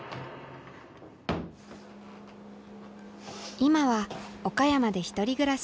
今は岡山で１人暮らし。